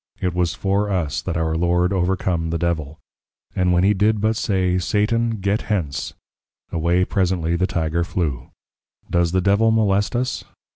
It was for Us that our Lord overcome the Devil: and when he did but say, Satan, Get hence, away presently the Tygre flew: Does the Devil molest Us?